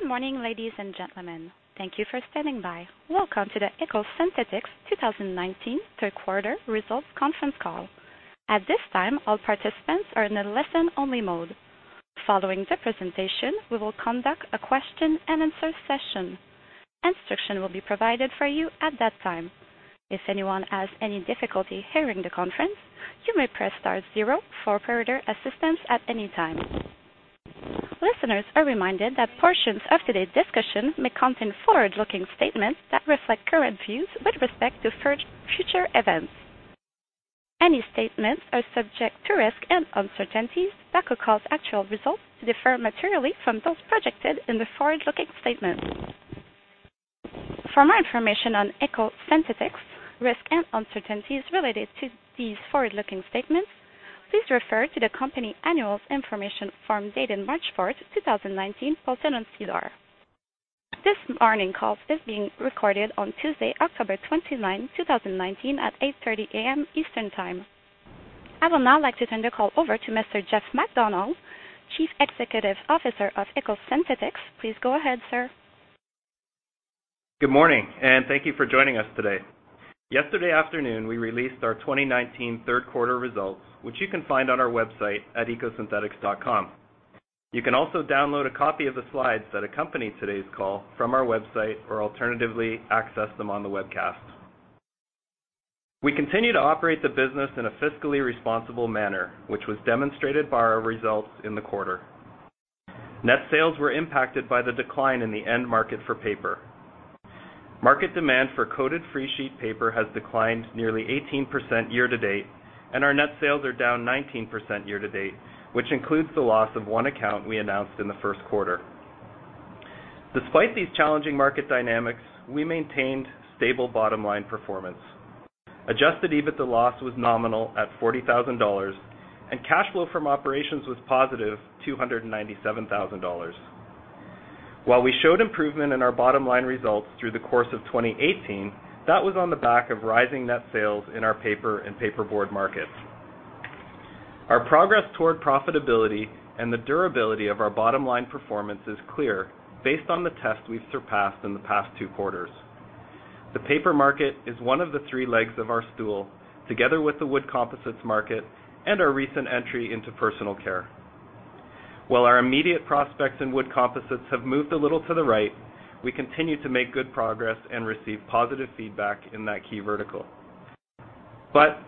Good morning, ladies and gentlemen. Thank you for standing by. Welcome to the EcoSynthetix 2019 third quarter results conference call. At this time, all participants are in a listen-only mode. Following the presentation, we will conduct a question and answer session. Instruction will be provided for you at that time. If anyone has any difficulty hearing the conference, you may press star zero for operator assistance at any time. Listeners are reminded that portions of today's discussion may contain forward-looking statements that reflect current views with respect to future events. Any statements are subject to risks and uncertainties that could cause actual results to differ materially from those projected in the forward-looking statements. For more information on EcoSynthetix risks and uncertainties related to these forward-looking statements, please refer to the company annual information form dated March 4th, 2019, filed on SEDAR. This morning call is being recorded on Tuesday, October 29, 2019, at 8:30 A.M. Eastern Time. I would now like to turn the call over to Mr. Jeff MacDonald, Chief Executive Officer of EcoSynthetix. Please go ahead, sir. Good morning, and thank you for joining us today. Yesterday afternoon, we released our 2019 third quarter results, which you can find on our website at ecosynthetix.com. You can also download a copy of the slides that accompany today's call from our website or alternatively access them on the webcast. We continue to operate the business in a fiscally responsible manner, which was demonstrated by our results in the quarter. Net sales were impacted by the decline in the end market for paper. Market demand for coated free sheet paper has declined nearly 18% year-to-date, and our net sales are down 19% year-to-date, which includes the loss of one account we announced in the first quarter. Despite these challenging market dynamics, we maintained stable bottom-line performance. Adjusted EBITDA loss was nominal at 40,000 dollars, and cash flow from operations was positive 297,000 dollars. While we showed improvement in our bottom-line results through the course of 2018, that was on the back of rising net sales in our paper and paper board markets. Our progress toward profitability and the durability of our bottom-line performance is clear based on the tests we've surpassed in the past two quarters. The paper market is one of the three legs of our stool, together with the wood composites market and our recent entry into personal care. While our immediate prospects in wood composites have moved a little to the right, we continue to make good progress and receive positive feedback in that key vertical.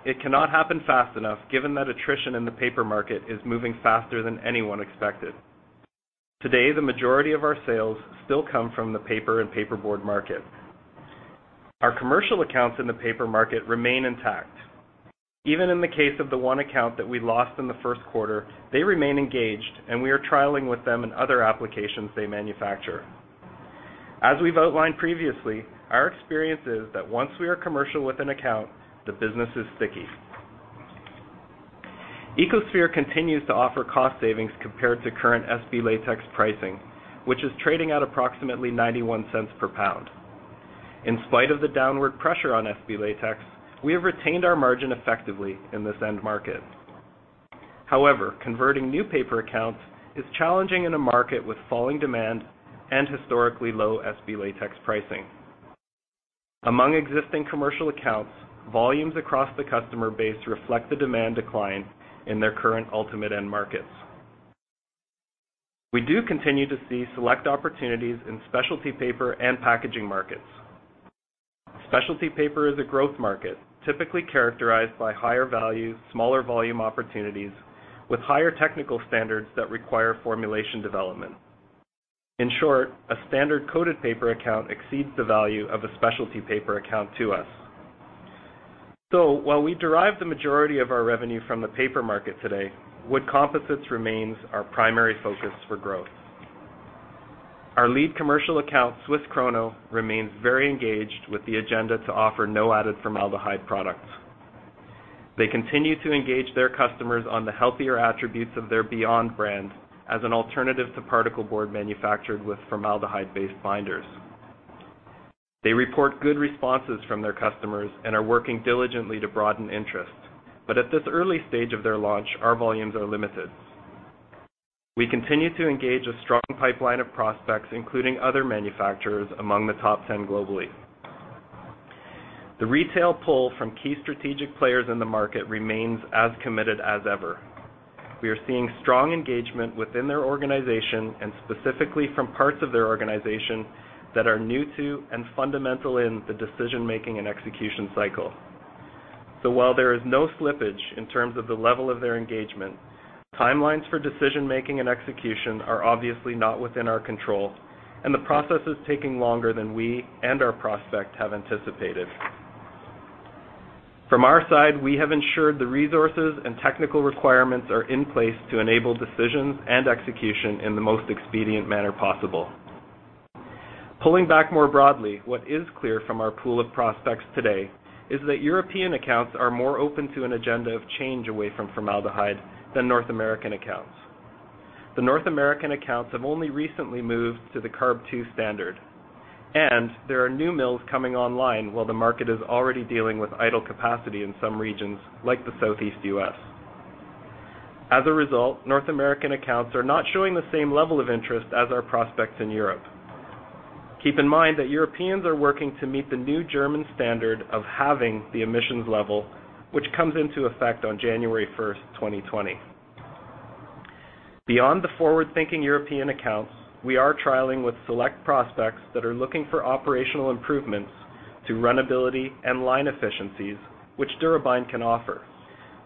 It cannot happen fast enough given that attrition in the paper market is moving faster than anyone expected. Today, the majority of our sales still come from the paper and paper board market. Our commercial accounts in the paper market remain intact. Even in the case of the one account that we lost in the first quarter, they remain engaged, and we are trialing with them in other applications they manufacture. As we've outlined previously, our experience is that once we are commercial with an account, the business is sticky. EcoSphere continues to offer cost savings compared to current SB latex pricing, which is trading at approximately 0.91 per pound. In spite of the downward pressure on SB latex, we have retained our margin effectively in this end market. However, converting new paper accounts is challenging in a market with falling demand and historically low SB latex pricing. Among existing commercial accounts, volumes across the customer base reflect the demand decline in their current ultimate end markets. We do continue to see select opportunities in specialty paper and packaging markets. Specialty paper is a growth market, typically characterized by higher value, smaller volume opportunities with higher technical standards that require formulation development. In short, a standard coated paper account exceeds the value of a specialty paper account to us. While we derive the majority of our revenue from the paper market today, wood composites remains our primary focus for growth. Our lead commercial account, SWISS KRONO, remains very engaged with the agenda to offer no added formaldehyde products. They continue to engage their customers on the healthier attributes of their BE.YOND brand as an alternative to particle board manufactured with formaldehyde-based binders. They report good responses from their customers and are working diligently to broaden interest. At this early stage of their launch, our volumes are limited. We continue to engage a strong pipeline of prospects, including other manufacturers among the top 10 globally. The retail pull from key strategic players in the market remains as committed as ever. We are seeing strong engagement within their organization and specifically from parts of their organization that are new to and fundamental in the decision-making and execution cycle. While there is no slippage in terms of the level of their engagement, timelines for decision-making and execution are obviously not within our control, and the process is taking longer than we and our prospect have anticipated. From our side, we have ensured the resources and technical requirements are in place to enable decisions and execution in the most expedient manner possible. Pulling back more broadly, what is clear from our pool of prospects today is that European accounts are more open to an agenda of change away from formaldehyde than North American accounts. The North American accounts have only recently moved to the CARB 2 standard, and there are new mills coming online while the market is already dealing with idle capacity in some regions like the Southeast U.S. As a result, North American accounts are not showing the same level of interest as our prospects in Europe. Keep in mind that Europeans are working to meet the new German standard of halving the emissions level, which comes into effect on January 1st, 2020. Beyond the forward-thinking European accounts, we are trialing with select prospects that are looking for operational improvements to runnability and line efficiencies, which DuraBind can offer.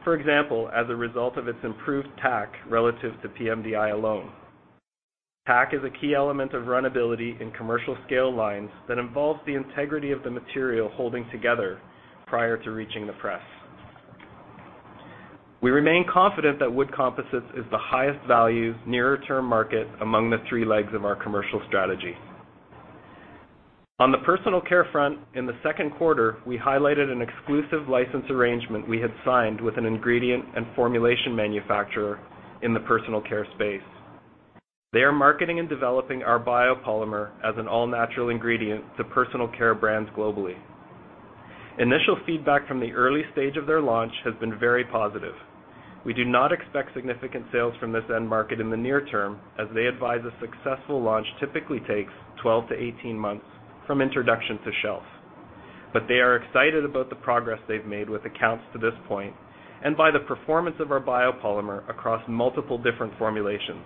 For example, as a result of its improved tack relative to PMDI alone. Tack is a key element of runnability in commercial scale lines that involves the integrity of the material holding together prior to reaching the press. We remain confident that wood composites is the highest value nearer-term market among the three legs of our commercial strategy. On the personal care front, in the second quarter, we highlighted an exclusive license arrangement we had signed with an ingredient and formulation manufacturer in the personal care space. They are marketing and developing our biopolymer as an all-natural ingredient to personal care brands globally. Initial feedback from the early stage of their launch has been very positive. We do not expect significant sales from this end market in the near term, as they advise a successful launch typically takes 12 to 18 months from introduction to shelf. They are excited about the progress they've made with accounts to this point and by the performance of our biopolymer across multiple different formulations.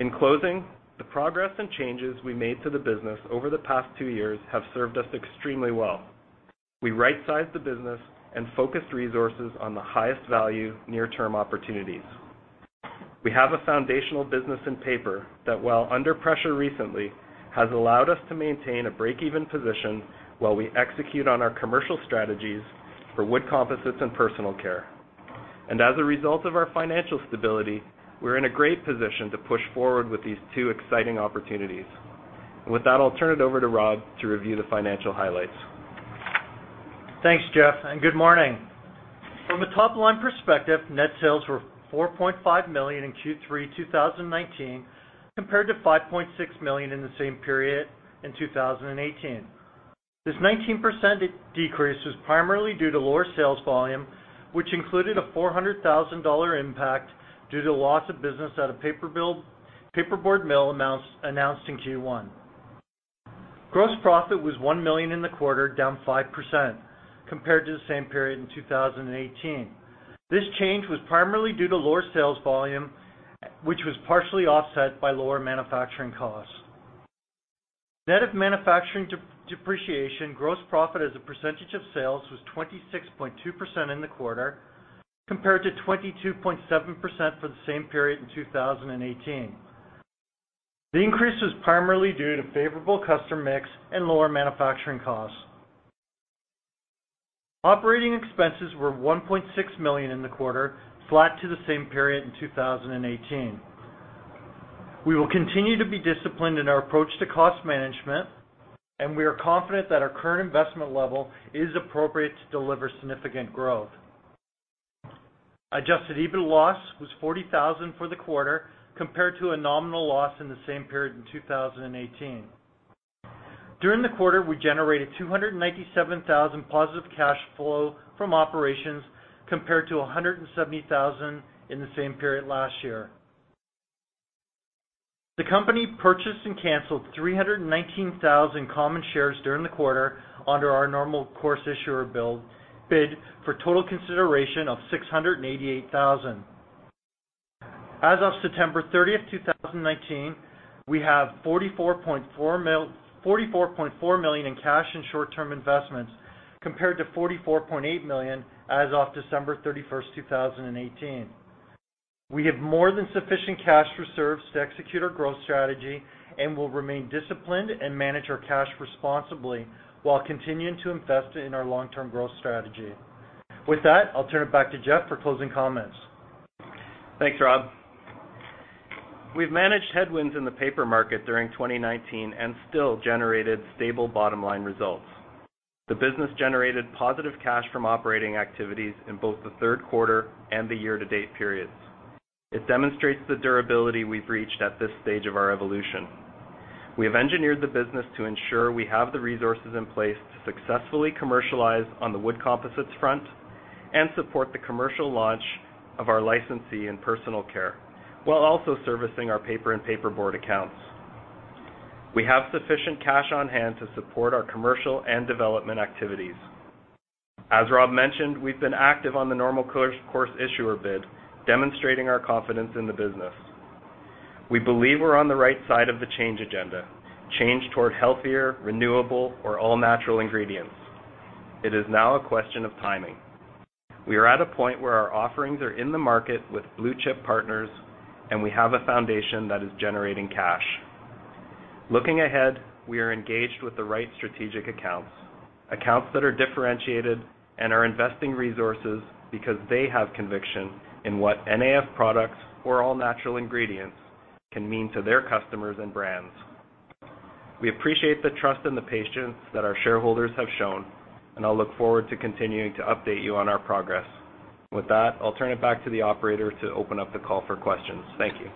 In closing, the progress and changes we made to the business over the past two years have served us extremely well. We right-sized the business and focused resources on the highest value near-term opportunities. We have a foundational business in paper that, while under pressure recently, has allowed us to maintain a break-even position while we execute on our commercial strategies for wood composites and personal care. As a result of our financial stability, we're in a great position to push forward with these two exciting opportunities. With that, I'll turn it over to Rob to review the financial highlights. Thanks, Jeff, and good morning. From a top-line perspective, net sales were 4.5 million in Q3 2019, compared to 5.6 million in the same period in 2018. This 19% decrease was primarily due to lower sales volume, which included a 400,000 dollar impact due to the loss of business at a paperboard mill announced in Q1. Gross profit was 1 million in the quarter, down 5% compared to the same period in 2018. This change was primarily due to lower sales volume, which was partially offset by lower manufacturing costs. Net of manufacturing depreciation, gross profit as a percentage of sales was 26.2% in the quarter, compared to 22.7% for the same period in 2018. The increase was primarily due to favorable customer mix and lower manufacturing costs. Operating expenses were 1.6 million in the quarter, flat to the same period in 2018. We will continue to be disciplined in our approach to cost management, and we are confident that our current investment level is appropriate to deliver significant growth. Adjusted EBITDA loss was 40,000 for the quarter, compared to a nominal loss in the same period in 2018. During the quarter, we generated 297,000 positive cash flow from operations, compared to 170,000 in the same period last year. The company purchased and canceled 319,000 common shares during the quarter under our normal course issuer bid for total consideration of 688,000. As of September 30th, 2019, we have 44.4 million in cash and short-term investments, compared to 44.8 million as of December 31st, 2018. We have more than sufficient cash reserves to execute our growth strategy and will remain disciplined and manage our cash responsibly while continuing to invest in our long-term growth strategy. With that, I'll turn it back to Jeff for closing comments. Thanks, Rob. We've managed headwinds in the paper market during 2019 and still generated stable bottom-line results. The business generated positive cash from operating activities in both the third quarter and the year-to-date periods. It demonstrates the durability we've reached at this stage of our evolution. We have engineered the business to ensure we have the resources in place to successfully commercialize on the wood composites front and support the commercial launch of our licensee in personal care, while also servicing our paper and paperboard accounts. We have sufficient cash on hand to support our commercial and development activities. As Rob mentioned, we've been active on the normal course issuer bid, demonstrating our confidence in the business. We believe we're on the right side of the change agenda, change toward healthier, renewable, or all-natural ingredients. It is now a question of timing. We are at a point where our offerings are in the market with blue-chip partners, and we have a foundation that is generating cash. Looking ahead, we are engaged with the right strategic accounts that are differentiated and are investing resources because they have conviction in what NAF products or all-natural ingredients can mean to their customers and brands. We appreciate the trust and the patience that our shareholders have shown, and I look forward to continuing to update you on our progress. With that, I'll turn it back to the operator to open up the call for questions. Thank you.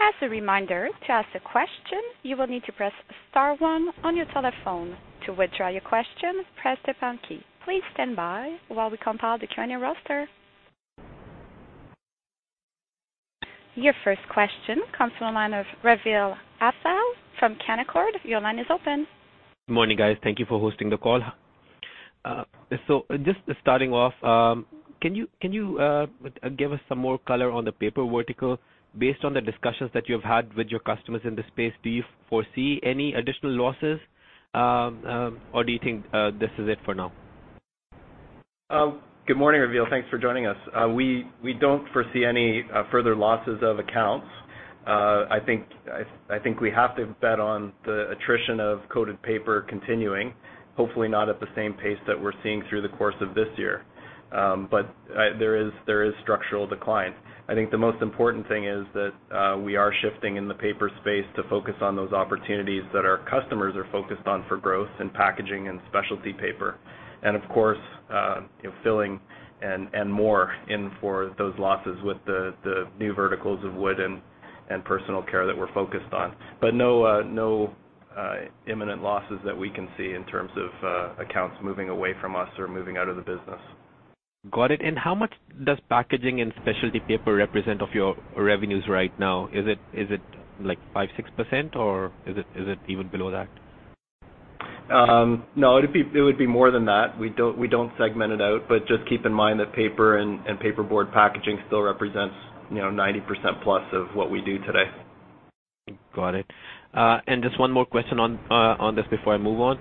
As a reminder, to ask a question, you will need to press star one on your telephone. To withdraw your question, press the pound key. Please stand by while we compile the attendee roster. Your first question comes from the line of Raveel Afzaal from Canaccord. Your line is open. Morning, guys. Thank you for hosting the call. Just starting off, can you give us some more color on the paper vertical? Based on the discussions that you've had with your customers in this space, do you foresee any additional losses, or do you think this is it for now? Good morning, Raveel. Thanks for joining us. We don't foresee any further losses of accounts. I think we have to bet on the attrition of coated paper continuing, hopefully not at the same pace that we're seeing through the course of this year. There is structural decline. I think the most important thing is that we are shifting in the paper space to focus on those opportunities that our customers are focused on for growth in packaging and specialty paper. Of course, filling and more in for those losses with the new verticals of wood and personal care that we're focused on. No imminent losses that we can see in terms of accounts moving away from us or moving out of the business. Got it. How much does packaging and specialty paper represent of your revenues right now? Is it five, 6%, or is it even below that? No, it would be more than that. We don't segment it out, but just keep in mind that paper and paper board packaging still represents 90% plus of what we do today. Got it. Just one more question on this before I move on.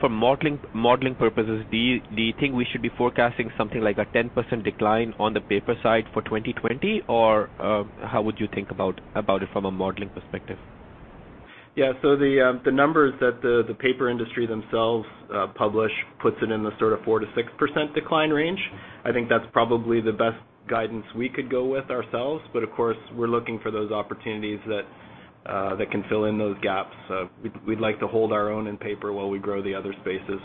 For modeling purposes, do you think we should be forecasting something like a 10% decline on the paper side for 2020, or how would you think about it from a modeling perspective? Yeah. The numbers that the paper industry themselves publish puts it in the sort of 4%-6% decline range. I think that's probably the best guidance we could go with ourselves. Of course, we're looking for those opportunities that can fill in those gaps. We'd like to hold our own in paper while we grow the other spaces.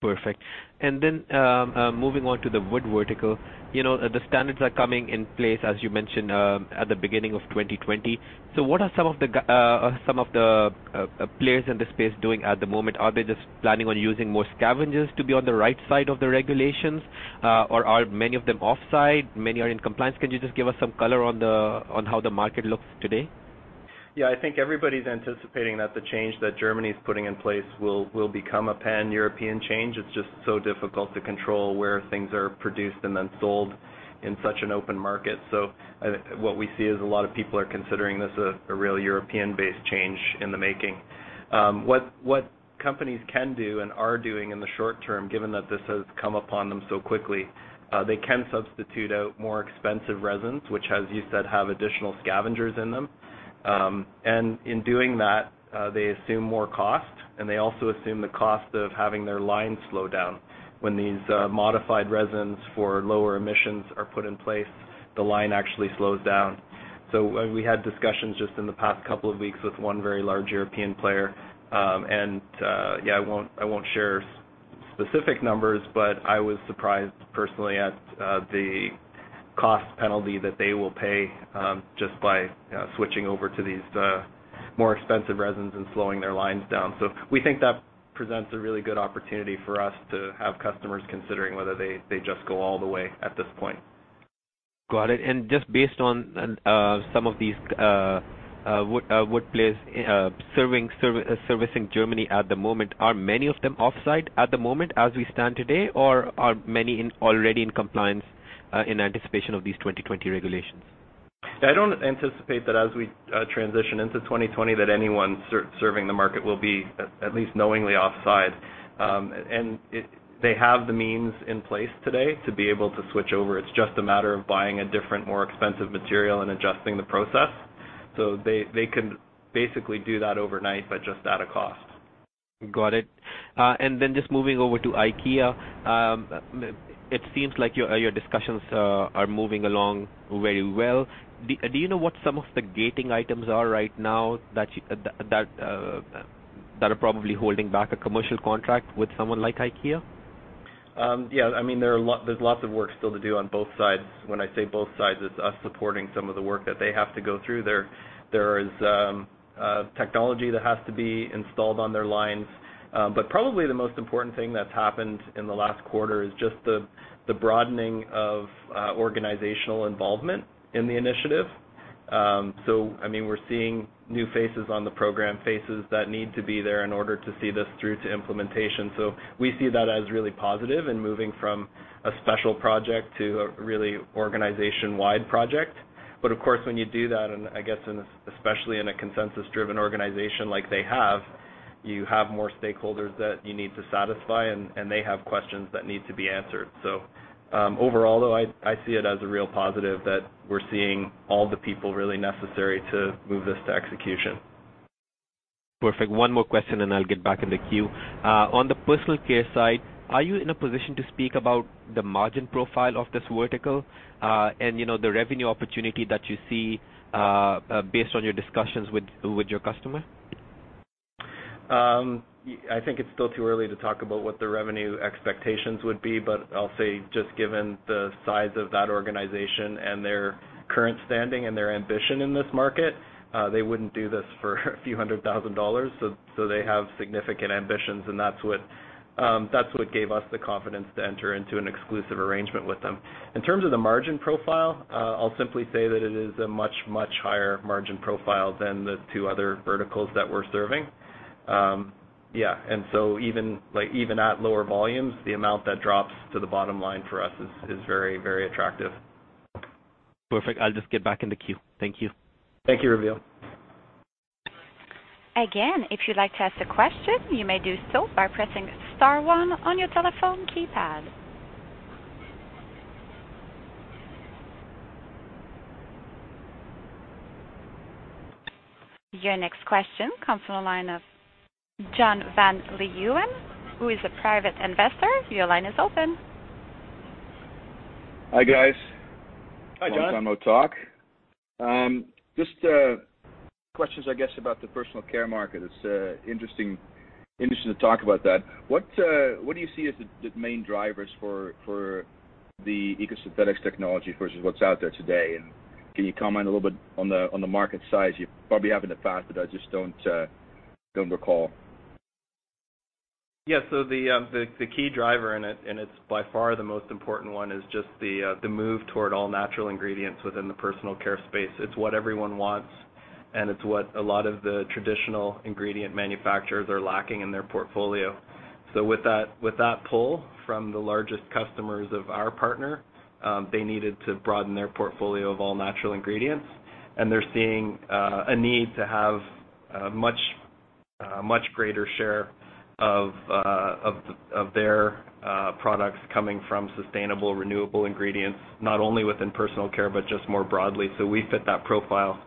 Perfect. Moving on to the wood vertical. The standards are coming in place, as you mentioned, at the beginning of 2020. What are some of the players in the space doing at the moment? Are they just planning on using more scavengers to be on the right side of the regulations, or are many of them offside, many are in compliance? Can you just give us some color on how the market looks today? Yeah, I think everybody's anticipating that the change that Germany's putting in place will become a pan-European change. It's just so difficult to control where things are produced and then sold in such an open market. What we see is a lot of people are considering this a real European-based change in the making. What companies can do and are doing in the short term, given that this has come upon them so quickly, they can substitute out more expensive resins, which, as you said, have additional scavengers in them. In doing that, they assume more cost, and they also assume the cost of having their line slow down. When these modified resins for lower emissions are put in place, the line actually slows down. We had discussions just in the past couple of weeks with one very large European player. Yeah, I won't share specific numbers, but I was surprised personally at the cost penalty that they will pay, just by switching over to these more expensive resins and slowing their lines down. We think that presents a really good opportunity for us to have customers considering whether they just go all the way at this point. Got it. Just based on some of these wood players servicing Germany at the moment, are many of them offside at the moment as we stand today, or are many already in compliance in anticipation of these 2020 regulations? I don't anticipate that as we transition into 2020 that anyone serving the market will be at least knowingly offside. They have the means in place today to be able to switch over. It's just a matter of buying a different, more expensive material and adjusting the process. They can basically do that overnight, but just at a cost. Got it. Then just moving over to IKEA. It seems like your discussions are moving along very well. Do you know what some of the gating items are right now that are probably holding back a commercial contract with someone like IKEA? Yeah. There's lots of work still to do on both sides. When I say both sides, it's us supporting some of the work that they have to go through. There is technology that has to be installed on their lines. Probably the most important thing that's happened in the last quarter is just the broadening of organizational involvement in the initiative. We're seeing new faces on the program, faces that need to be there in order to see this through to implementation. We see that as really positive and moving from a special project to a really organization-wide project. Of course, when you do that, and I guess especially in a consensus-driven organization like they have, you have more stakeholders that you need to satisfy, and they have questions that need to be answered. Overall, though, I see it as a real positive that we're seeing all the people really necessary to move this to execution. Perfect. One more question, and then I'll get back in the queue. On the personal care side, are you in a position to speak about the margin profile of this vertical, and the revenue opportunity that you see based on your discussions with your customer? I think it's still too early to talk about what the revenue expectations would be, but I'll say just given the size of that organization and their current standing and their ambition in this market, they wouldn't do this for a few hundred thousand CAD. They have significant ambitions, and that's what gave us the confidence to enter into an exclusive arrangement with them. In terms of the margin profile, I'll simply say that it is a much, much higher margin profile than the two other verticals that we're serving. Yeah, even at lower volumes, the amount that drops to the bottom line for us is very attractive. Perfect. I'll just get back in the queue. Thank you. Thank you, Raveel. Again, if you'd like to ask a question, you may do so by pressing star one on your telephone keypad. Your next question comes from the line of John Van Leeuwen, who is a private investor. Your line is open. Hi, guys. Hi, John. Long time no talk. Just questions, I guess, about the personal care market. It's interesting to talk about that. What do you see as the main drivers for the EcoSynthetix technology versus what's out there today, and can you comment a little bit on the market size? You probably have in the past, but I just don't recall. The key driver in it, and it's by far the most important one, is just the move toward all natural ingredients within the personal care space. It's what everyone wants, and it's what a lot of the traditional ingredient manufacturers are lacking in their portfolio. With that pull from the largest customers of our partner, they needed to broaden their portfolio of all natural ingredients, and they're seeing a need to have a much greater share of their products coming from sustainable, renewable ingredients, not only within personal care, but just more broadly. We fit that profile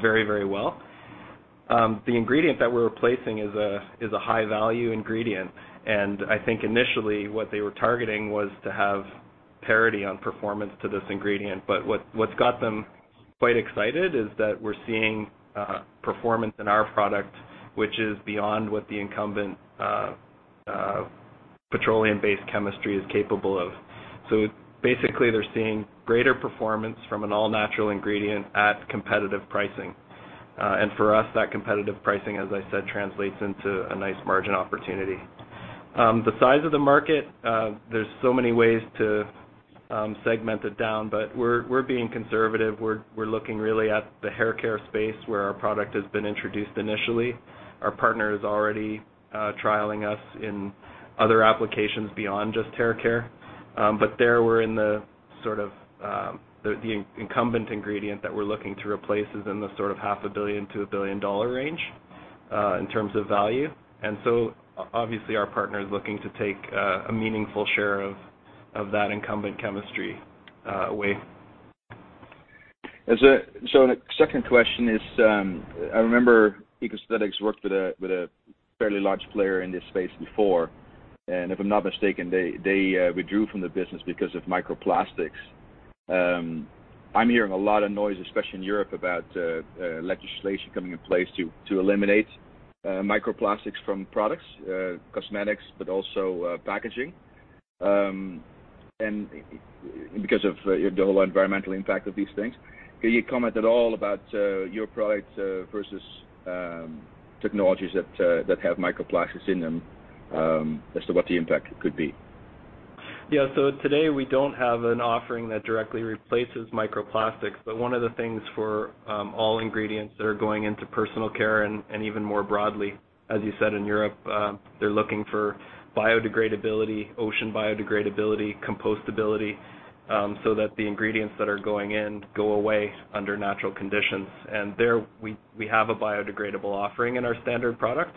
very well. The ingredient that we're replacing is a high-value ingredient, and I think initially what they were targeting was to have parity on performance to this ingredient. What's got them quite excited is that we're seeing performance in our product, which is beyond what the incumbent petroleum-based chemistry is capable of. Basically, they're seeing greater performance from an all-natural ingredient at competitive pricing. For us, that competitive pricing, as I said, translates into a nice margin opportunity. The size of the market, there's so many ways to segment it down, but we're being conservative. We're looking really at the haircare space where our product has been introduced initially. Our partner is already trialing us in other applications beyond just haircare. There we're in the sort of, the incumbent ingredient that we're looking to replace is in the sort of half a billion to a 1 billion dollar range, in terms of value. Obviously, our partner is looking to take a meaningful share of that incumbent chemistry away. The second question is, I remember EcoSynthetix worked with a fairly large player in this space before, and if I'm not mistaken, they withdrew from the business because of microplastics. I'm hearing a lot of noise, especially in Europe, about legislation coming in place to eliminate microplastics from products, cosmetics, but also packaging, because of the whole environmental impact of these things. Can you comment at all about your products versus technologies that have microplastics in them as to what the impact could be? Today we don't have an offering that directly replaces microplastics, but one of the things for all ingredients that are going into personal care and even more broadly, as you said, in Europe, they're looking for biodegradability, ocean biodegradability, compostability, so that the ingredients that are going in go away under natural conditions. There we have a biodegradable offering in our standard product.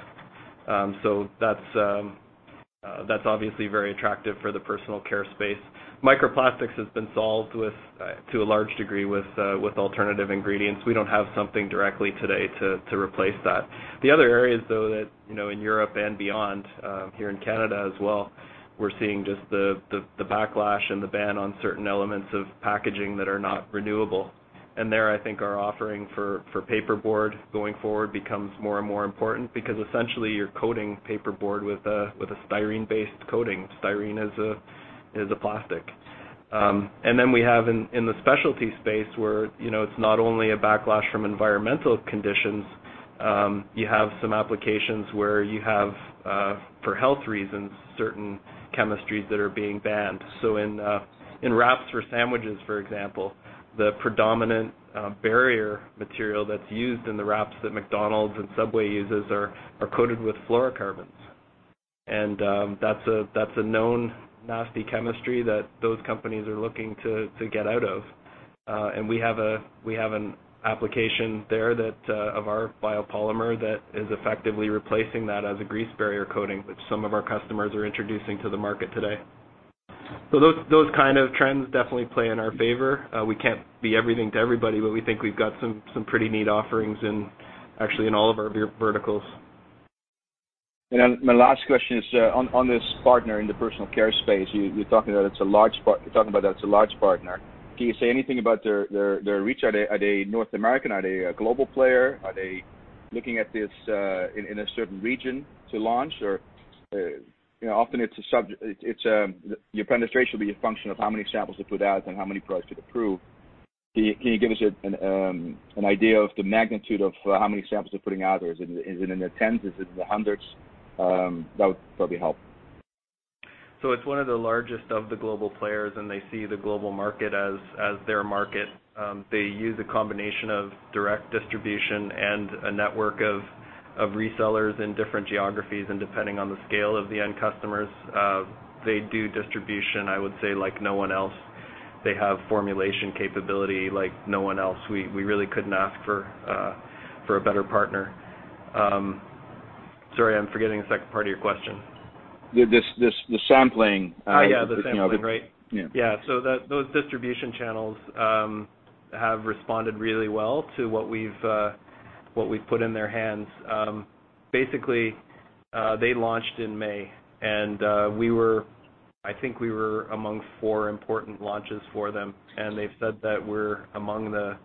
That's obviously very attractive for the personal care space. Microplastics has been solved to a large degree with alternative ingredients. We don't have something directly today to replace that. The other areas, though, that in Europe and beyond, here in Canada as well, we're seeing just the backlash and the ban on certain elements of packaging that are not renewable. There, I think our offering for paperboard going forward becomes more and more important because essentially you're coating paperboard with a styrene-based coating. Styrene is a plastic. We have in the specialty space where it's not only a backlash from environmental conditions, you have some applications where you have, for health reasons, certain chemistries that are being banned. In wraps for sandwiches, for example, the predominant barrier material that's used in the wraps that McDonald's and Subway uses are coated with fluorocarbons. That's a known nasty chemistry that those companies are looking to get out of. We have an application there of our biopolymer that is effectively replacing that as a grease barrier coating, which some of our customers are introducing to the market today. Those kind of trends definitely play in our favor. We can't be everything to everybody. We think we've got some pretty neat offerings in actually in all of our verticals. My last question is on this partner in the personal care space. You're talking about that it's a large partner. Can you say anything about their reach? Are they North American? Are they a global player? Are they looking at this in a certain region to launch? Often your penetration will be a function of how many samples they put out and how many products get approved. Can you give us an idea of the magnitude of how many samples they're putting out, or is it in the tens? Is it in the hundreds? That would probably help. It's one of the largest of the global players, and they see the global market as their market. They use a combination of direct distribution and a network of resellers in different geographies, and depending on the scale of the end customers, they do distribution, I would say, like no one else. They have formulation capability like no one else. We really couldn't ask for a better partner. Sorry, I'm forgetting the second part of your question. The sampling. Oh, yeah. The sampling, right. Yeah. Those distribution channels have responded really well to what we've put in their hands. Basically, they launched in May, and I think we were among four important launches for them, and they've said that we're among the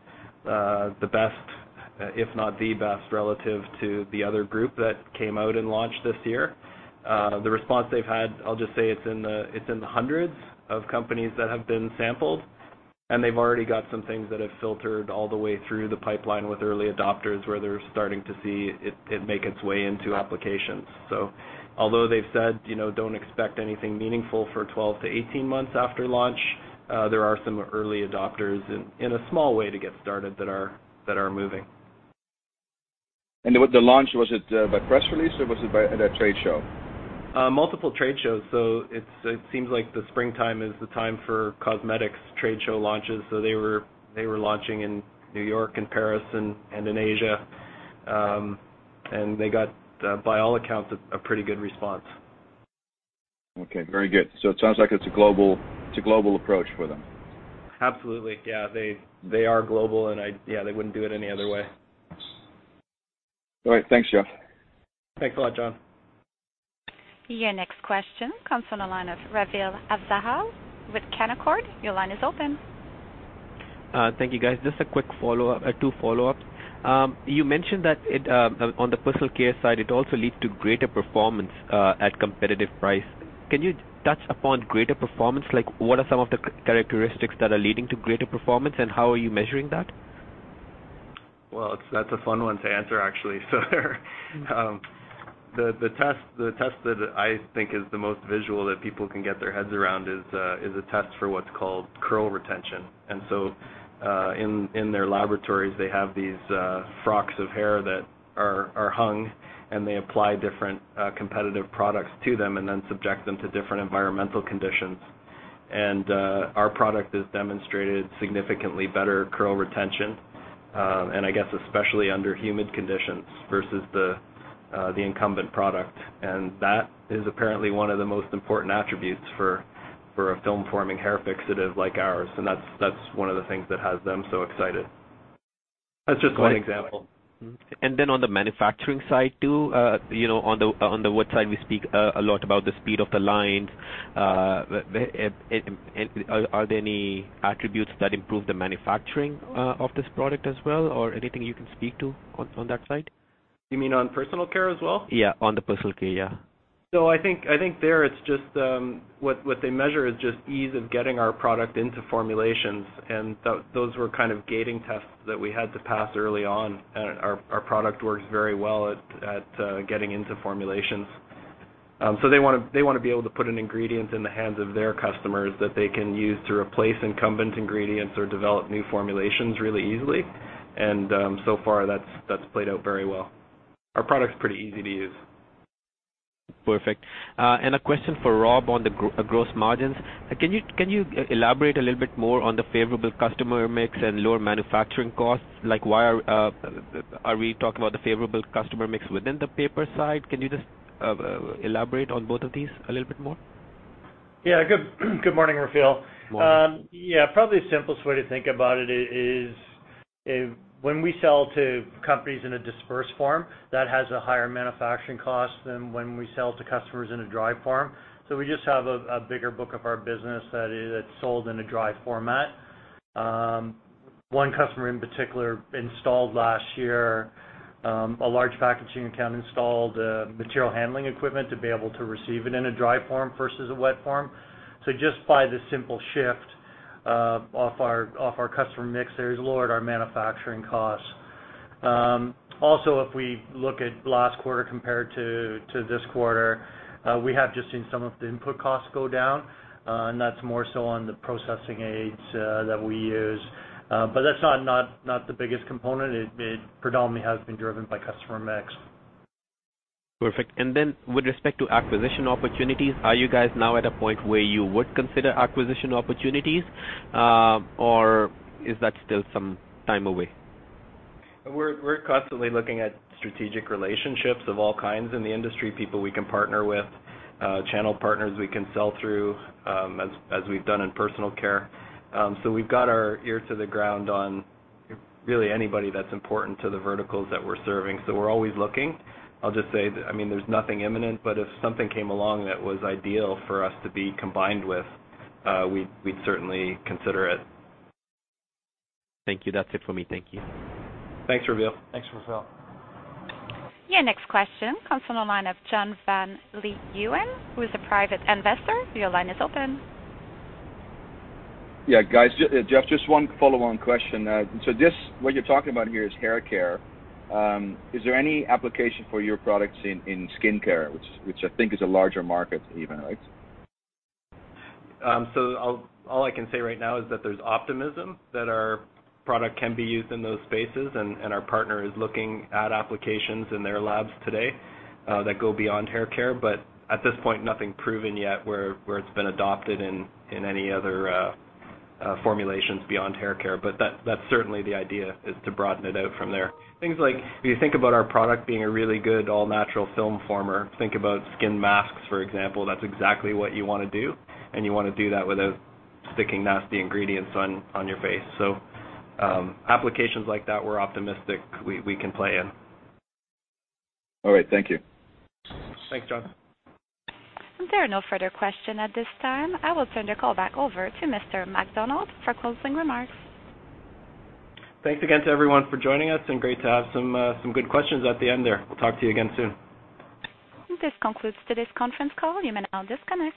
best, if not the best, relative to the other group that came out and launched this year. The response they've had, I'll just say it's in the hundreds of companies that have been sampled, and they've already got some things that have filtered all the way through the pipeline with early adopters, where they're starting to see it make its way into applications. Although they've said, "Don't expect anything meaningful for 12 to 18 months after launch," there are some early adopters in a small way to get started that are moving. The launch, was it by press release, or was it by at a trade show? Multiple trade shows. It seems like the springtime is the time for cosmetics trade show launches. They were launching in New York and Paris and in Asia. They got, by all accounts, a pretty good response. Okay, very good. It sounds like it's a global approach for them. Absolutely. Yeah. They are global and they wouldn't do it any other way. All right. Thanks, Jeff. Thanks a lot, John. Your next question comes from the line of Raveel Afzaal with Canaccord. Your line is open. Thank you, guys. Just a quick follow-up. Two follow-ups. You mentioned that on the personal care side, it also leads to greater performance at competitive price. Can you touch upon greater performance? What are some of the characteristics that are leading to greater performance, and how are you measuring that? Well, that's a fun one to answer, actually. The test that I think is the most visual that people can get their heads around is a test for what's called curl retention. In their laboratories, they have these frocks of hair that are hung, and they apply different competitive products to them and then subject them to different environmental conditions. Our product has demonstrated significantly better curl retention, and I guess especially under humid conditions, versus the incumbent product. That is apparently one of the most important attributes for a film-forming hair fixative like ours, and that's one of the things that has them so excited. That's just one example. On the manufacturing side, too, on the wood side, we speak a lot about the speed of the lines. Are there any attributes that improve the manufacturing of this product as well, or anything you can speak to on that side? You mean on personal care as well? Yeah, on the personal care, yeah. I think there, what they measure is just ease of getting our product into formulations, and those were kind of gating tests that we had to pass early on, and our product works very well at getting into formulations. They want to be able to put an ingredient in the hands of their customers that they can use to replace incumbent ingredients or develop new formulations really easily. So far, that's played out very well. Our product's pretty easy to use. Perfect. A question for Rob on the gross margins. Can you elaborate a little bit more on the favorable customer mix and lower manufacturing costs? Are we talking about the favorable customer mix within the paper side? Can you just elaborate on both of these a little bit more? Yeah. Good morning, Raveel. Morning. Yeah, probably the simplest way to think about it is when we sell to companies in a dispersed form, that has a higher manufacturing cost than when we sell to customers in a dry form. We just have a bigger book of our business that's sold in a dry format. One customer in particular installed last year, a large packaging account installed material handling equipment to be able to receive it in a dry form versus a wet form. Just by the simple shift off our customer mix there has lowered our manufacturing costs. Also, if we look at last quarter compared to this quarter, we have just seen some of the input costs go down, and that's more so on the processing aids that we use. That's not the biggest component. It predominantly has been driven by customer mix. Perfect. With respect to acquisition opportunities, are you guys now at a point where you would consider acquisition opportunities, or is that still some time away? We're constantly looking at strategic relationships of all kinds in the industry, people we can partner with, channel partners we can sell through, as we've done in personal care. We've got our ear to the ground on really anybody that's important to the verticals that we're serving. We're always looking. I'll just say, there's nothing imminent, but if something came along that was ideal for us to be combined with, we'd certainly consider it. Thank you. That's it for me. Thank you. Thanks, Raveel. Thanks, Raveel. Your next question comes from the line of John Van Leeuwen, who is a private investor. Your line is open. Yeah, guys. Jeff, just one follow-on question. This, what you're talking about here is haircare. Is there any application for your products in skincare, which I think is a larger market even, right? All I can say right now is that there's optimism that our product can be used in those spaces, and our partner is looking at applications in their labs today that go beyond haircare. At this point, nothing proven yet where it's been adopted in any other formulations beyond haircare. That's certainly the idea, is to broaden it out from there. Things like, if you think about our product being a really good all-natural film former, think about skin masks, for example. That's exactly what you want to do, and you want to do that without sticking nasty ingredients on your face. Applications like that, we're optimistic we can play in. All right. Thank you. Thanks, John. There are no further question at this time. I will turn the call back over to Mr. MacDonald for closing remarks. Thanks again to everyone for joining us. Great to have some good questions at the end there. We'll talk to you again soon. This concludes today's conference call. You may now disconnect.